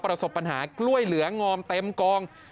ประสบปัญหากล้วยเหลืองอมเต็มกอง